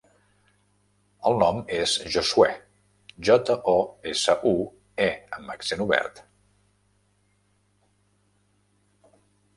El nom és Josuè: jota, o, essa, u, e amb accent obert.